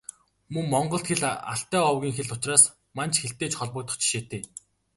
Мөн Монгол хэл Алтай овгийн хэл учраас Манж хэлтэй ч холбогдох жишээтэй.